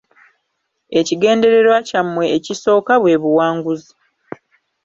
Ekigendererwa kyammwe ekisooka bwe buwanguzi.